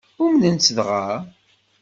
Umnen-tt dɣa?